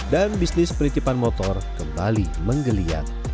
dan bisnis penitipan motor kembali menggeliat